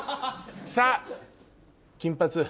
さぁ金髪。